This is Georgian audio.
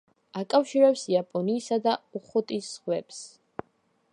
აკავშირებს იაპონიისა და ოხოტის ზღვებს.